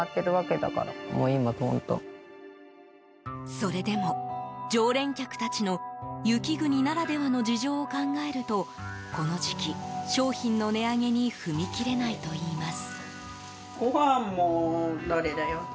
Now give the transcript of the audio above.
それでも、常連客たちの雪国ならではの事情を考えるとこの時期、商品の値上げに踏み切れないといいます。